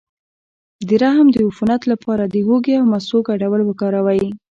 د رحم د عفونت لپاره د هوږې او مستو ګډول وکاروئ